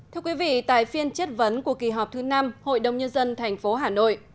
thưa quý vị tại phiên chất vấn của kỳ họp thứ năm hội đồng nhân dân tp hà nội